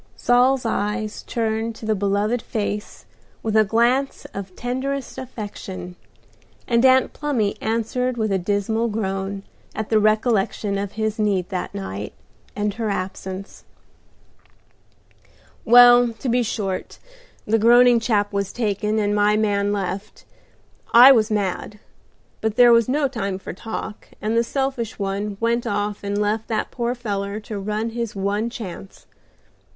Saul's eyes turned to the beloved face with a glance of tenderest affection, and Aunt Plumy answered with a dismal groan at the recollection of his need that night, and her absence. "Well, to be short, the groaning chap was taken, and my man left. I was mad, but there was no time for talk, and the selfish one went off and left that poor feller to run his one chance.